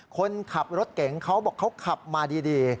คนขับรถเก๋งเขาบอกเขาขับมาดี